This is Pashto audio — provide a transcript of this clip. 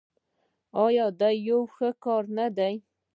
آیا دا یو ښه کار نه دی؟